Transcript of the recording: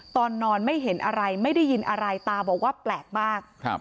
ตอนนอนไม่เห็นอะไรไม่ได้ยินอะไรตาบอกว่าแปลกมากครับ